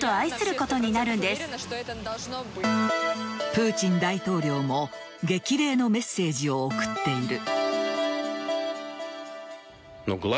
プーチン大統領も激励のメッセージを送っている。